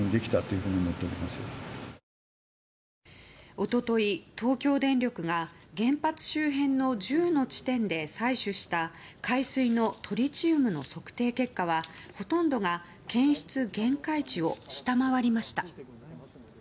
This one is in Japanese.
一昨日、東京電力が原発周辺の１０の地点で採取した海水のトリチウムの測定結果はほとんどが検出限界値を下回りました。